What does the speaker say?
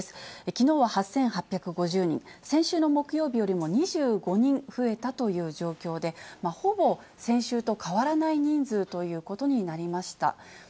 きのうは８８５０人、先週の木曜日よりも２５人増えたという状況で、ほぼ先週と変わらない人数ということになりました。